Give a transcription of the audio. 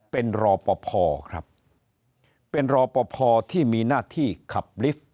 เป็นรอปภครับเป็นรอปภที่มีหน้าที่ขับลิฟท์